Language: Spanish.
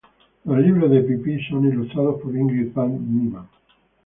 Los libros de Pippi son ilustrados por Ingrid Vang Nyman.